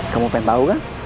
kamu pengen tau kan